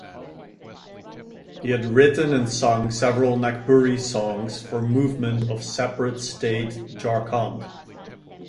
He had written and sung several Nagpuri songs for movement of separate state Jharkhand.